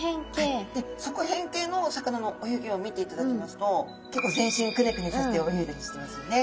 側扁形の魚の泳ぎを見ていただきますと結構全身クネクネさせて泳いだりしてますよね。